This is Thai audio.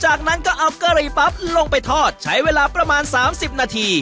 จากนั้นก็เอากะหรี่ปั๊บลงไปทอดใช้เวลาประมาณ๓๐นาที